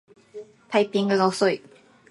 タイピングが遅い